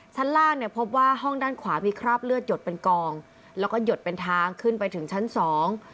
ชั้นล่างเนี่ยพบว่าห้องด้านขวามีคราบเลือดหยดเป็นกองแล้วก็หยดเป็นทางขึ้นไปถึงชั้นสอง